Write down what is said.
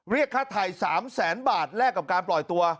เรียกค่าไทย๓แสนบาทแลกกับการปล่อยตัว